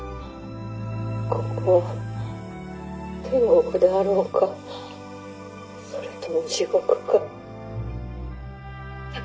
「ここは天国であろうかそれとも地獄か」。